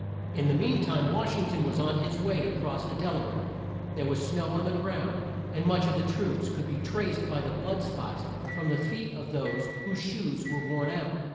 In the mean time Wash ing ton was on his way to cross the Del a ware. There was snow on the ground, and the march of the troops could be traced by the blood spots from the feet of those whose shoes were worn out.